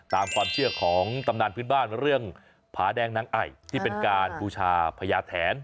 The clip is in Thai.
ตามความเชื่อของตำนานพื้นบ้านเรื่องผาแดงนางไอที่เป็นการบูชาพญาแถน